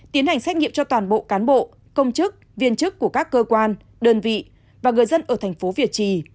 tiến hành xét nghiệm cho toàn bộ cán bộ công chức viên chức của các cơ quan đơn vị và người dân ở thành phố việt trì